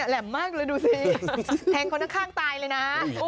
แหม่มมากเลยดูสิแทงคนข้างตายเลยนะ